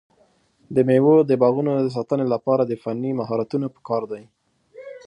د مېوو د باغونو د ساتنې لپاره د فني مهارتونو پکار دی.